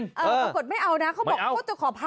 ปรากฏไม่เอานะเขาบอกเขาจะขอพัก